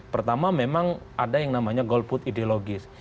pertama memang ada yang namanya golput ideologis